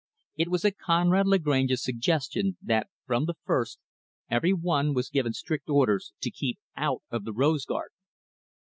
It was at Conrad Lagrange's suggestion, that, from the first, every one was given strict orders to keep out of the rose garden.